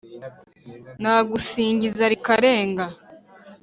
nagusingiza rikarenga,